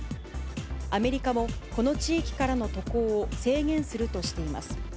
アメリカも、この地域からの渡航を制限するとしています。